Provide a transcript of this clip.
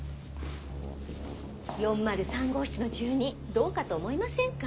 ・４０３号室の住人どうかと思いませんか？